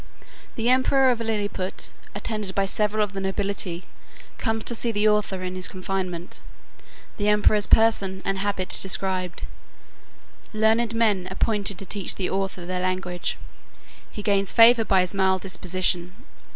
The emperor of Lilliput, attended by several of the nobility, comes to see the author in his confinement. The emperor's person and habit described. Learned men appointed to teach the author their language. He gains favour by his mild disposition.